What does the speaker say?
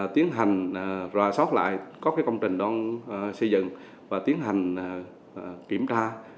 tiến hành ròa sót lại các công trình đoàn xây dựng và tiến hành kiểm tra